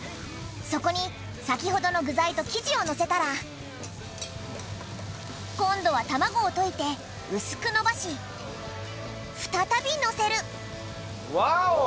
そこに先ほどの具材と生地をのせたら今度は卵を溶いて薄くのばし再びのせるワオ！